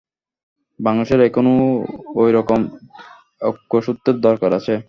বাংলাদেশেরও এখন এ রকম ঐক্যসূত্রের দরকার আছে।